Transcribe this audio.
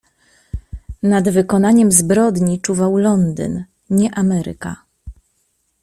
"Nad wykonaniem zbrodni czuwał Londyn, nie Ameryka."